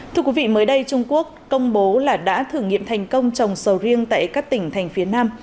thưa quý vị mới đây trung quốc công bố là đã thử nghiệm thành công trồng sầu riêng tại các tỉnh thành phía nam